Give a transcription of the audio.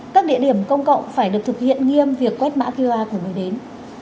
các địa điểm công cộng phải được thực hiện nghiêm việc quét mã qr của người đến